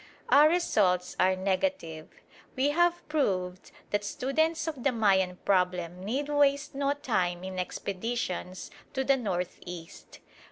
Our results are negative. We have proved that students of the Mayan problem need waste no time in expeditions to the north east.